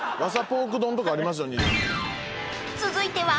［続いては］